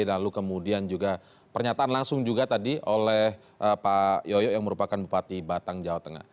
lalu kemudian juga pernyataan langsung juga tadi oleh pak yoyo yang merupakan bupati batang jawa tengah